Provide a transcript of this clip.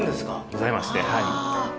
ございましてはい。